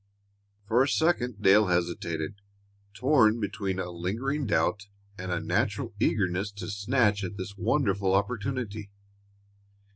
For a second Dale hesitated, torn between a last lingering doubt and a natural eagerness to snatch at this wonderful opportunity.